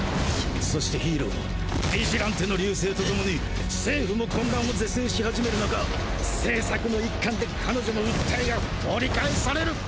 そしてヒーローヴィジランテの隆盛と共に政府も混乱を是正し始める中政策の一環で彼女の訴えが掘り返される。